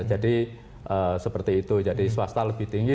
jadi seperti itu jadi swasta lebih tinggi